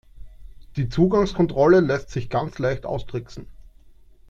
Die Zugangskontrolle lässt sich ganz leicht austricksen.